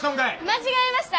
間違えました。